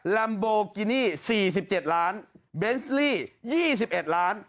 ลัมโบกินี่๔๗ล้านเบนส์ลี่๒๑ล้าน